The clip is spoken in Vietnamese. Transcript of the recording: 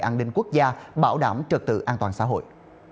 an ninh quốc gia bảo đảm trật tự an toàn xã hội